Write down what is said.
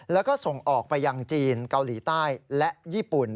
แล้วก็ส่งออกไปยังจีนเกาหลีใต้และญี่ปุ่น